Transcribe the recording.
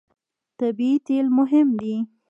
طبیعي تېل مهم دي.